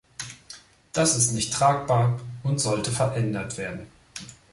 Das ist nicht tragbar und sollte verändert werden.